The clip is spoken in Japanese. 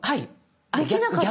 できなかったの。